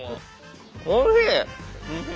おいしい！